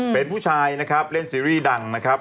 เป็นผู้ชายนะครับเล่นซีรีส์ดังนะครับ